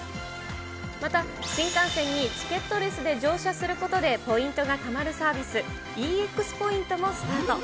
また新幹線にチケットレスで乗車することでポイントがたまるサービス、ＥＸポイントもスタート。